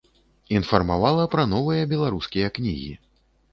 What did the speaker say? Інфармавала пра новыя беларускія кнігі.